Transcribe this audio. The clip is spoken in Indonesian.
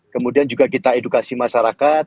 kemudian juga kita edukasi masyarakat